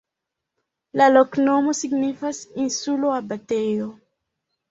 La loknomo signifas: insulo-abatejo.